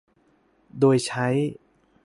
โดยใช้